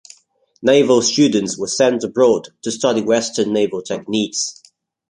Naval students were sent abroad to study Western naval techniques.